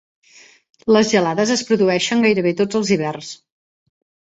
Les gelades es produeixen gairebé tots els hiverns.